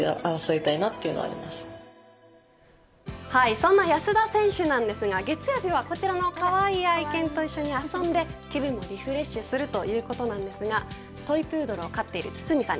そんな安田選手なんですが月曜日は、こちらのかわいい愛犬と一緒に遊んで気分をリフレッシュするということなんですがトイプードルを飼っている堤さん